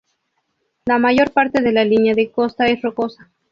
La mayor parte de la línea de costa es rocosa.